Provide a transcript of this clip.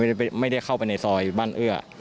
ไม่ได้เข้าไปในซอยบ้านเอื้อ